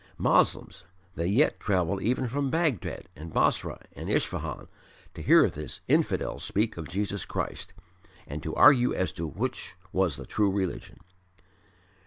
Moslems they yet travelled even from Baghdad and Bosra and Isfahan to hear this "infidel" speak of Jesus Christ, and to argue as to which was the true religion.